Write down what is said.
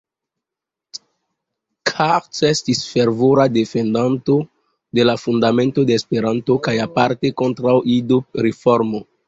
Cart estis fervora defendanto de la Fundamento de Esperanto kaj aparte kontraŭ Ido-reformo.